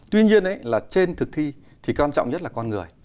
tuy nhiên là trên thực thi thì quan trọng nhất là con người